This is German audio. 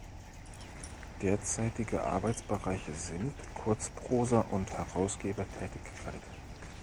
Derzeitige Arbeitsbereiche sind: Kurzprosa und Herausgebertätigkeit.